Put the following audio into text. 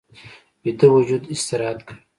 ویده وجود استراحت کوي